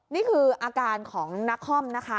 นี่คืออาการของนักคอมนะคะ